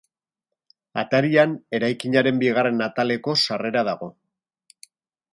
Atarian, eraikinaren bigarren ataleko sarrera dago.